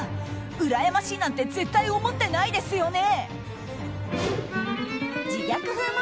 うらやましいなんて絶対思ってないですよね。